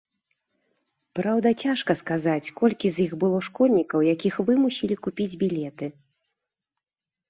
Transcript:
Праўда, цяжка сказаць колькі з іх было школьнікаў, якіх вымусілі купіць білеты.